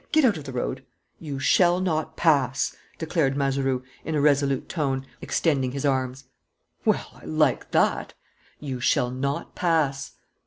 Get out of the road!" "You shall not pass!" declared Mazeroux, in a resolute tone, extending his arms. "Well, I like that!" "You shall not pass."